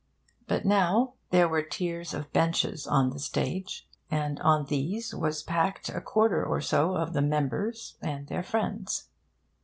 But now there were tiers of benches on the stage; and on these was packed a quarter or so of the members and their friends.